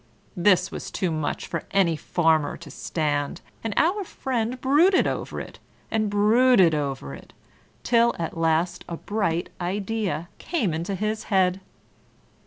This was too much for any Farmer to stand; and our friend brooded over it, and brooded over it, till at last a bright idea came into his head.